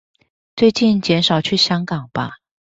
最近減少去香港吧！